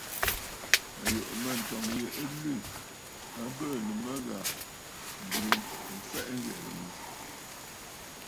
À yùʼù mə̂, ǹtɔ̂ŋ yi ɨ lwî, a bɨɨ̀nə̀ mə ghàrə̀, m̀burə mfɛʼɛ ghɛ̀ɛ̀ ƴi.